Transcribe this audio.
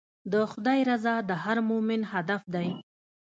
د خدای رضا د هر مؤمن هدف دی.